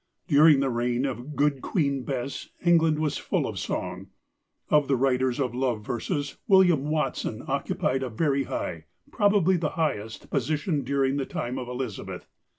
During the reign of "Good Queen Bess" England was full of song. Of the writers of love verses William Watson occupied a very high, probably the highest, position during the time of Elizabeth.